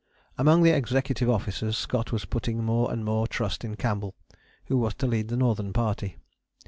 Among the executive officers Scott was putting more and more trust in Campbell, who was to lead the Northern Party.